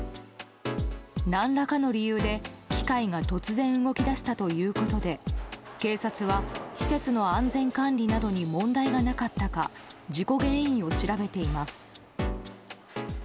何らかの理由で、機械が突然動き出したということで警察は、施設の安全管理などに問題がなかったか事故原因を調べています。